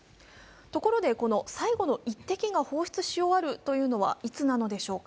ところで、この最後の１滴が放出し終わるというのはいつなのでしょうか。